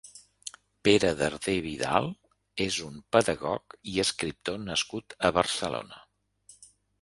Pere Darder Vidal és un pedagog i escriptor nascut a Barcelona.